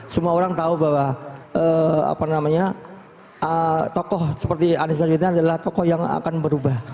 semua orang tahu bahwa tokoh seperti anies baswedan adalah tokoh yang akan berubah